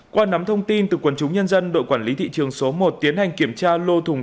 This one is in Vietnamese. qua nắm thông tin từ quần chúng nhân dân đội quản lý thị trường số một tiến hành kiểm tra lô thùng